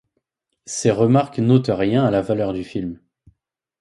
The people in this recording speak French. Ces remarques n'ôtent rien à la valeur du film.